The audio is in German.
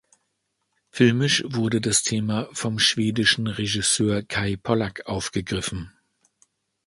Filmisch wurde das Thema vom schwedischen Regisseur Kay Pollak aufgegriffen.